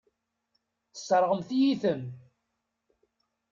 Tesseṛɣemt-iyi-ten.